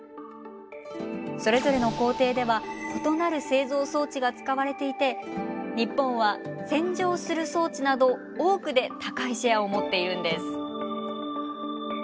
それぞれの工程では異なる製造装置が使われていて日本は洗浄する装置など多くで高いシェアを持っているんです。